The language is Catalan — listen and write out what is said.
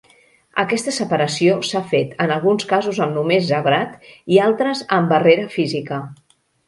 Aquesta separació s'ha fet en alguns casos amb només zebrat i altres amb barrera física.